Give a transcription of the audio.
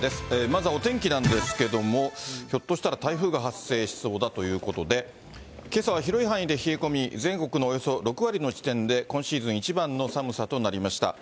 まずはお天気なんですけども、ひょっとしたら台風が発生しそうだということで、けさは広い範囲で冷え込み、全国のおよそ６割の地点で、今シーズン一番の寒さとなりました。